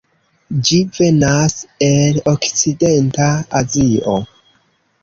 Ĝi venas el okcidenta Azio.